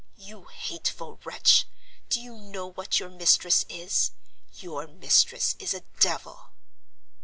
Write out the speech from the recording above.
You hateful wretch, do you know what your mistress is? Your mistress is a devil!"